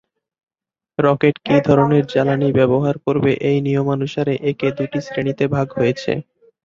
Rocket কী ধরনের জ্বালানী ব্যবহার করবে এই নিয়মানুসারে একে দুটি শ্রেণিতে ভাগ হয়েছে।